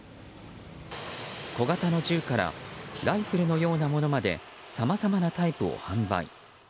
小型の銃からライフルのようなものまでさまざまなタイプを販売。